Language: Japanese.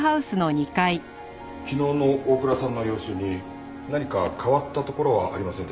昨日の大倉さんの様子に何か変わったところはありませんでしたか？